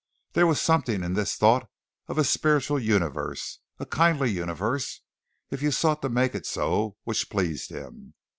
There was something in this thought of a spiritual universe of a kindly universe, if you sought to make it so, which pleased him.